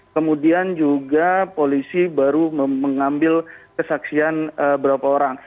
kemudian juga polisi baru mengambil kesaksian berapa orang